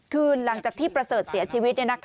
ขึ้นหลังจากที่พระเสชเสียชีวิต